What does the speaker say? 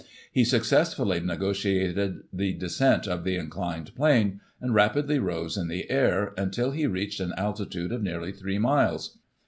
He successfully nego tiated the descent of the inclined plane, and rapidly rose in the air, until he reached an altitude of nearly 3 miles.